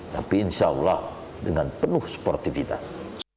tapi insya allah dengan penuh sportivitas